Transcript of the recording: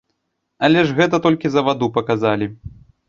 Але ж гэта толькі за ваду паказалі!